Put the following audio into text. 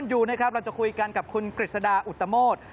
เราจะคุยกันกับคุณกฤษฎาอุตโตมโตฯ